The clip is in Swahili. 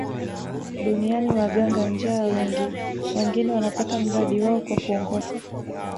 Duniani waganga njaa wengi wengine wanapata mradi wao kwa kuongopa